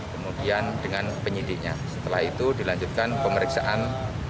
kemudian dengan penyidiknya setelah itu dilanjutkan pemeriksaan